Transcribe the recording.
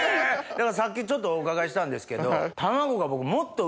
さっきちょっとお伺いしたんですけど。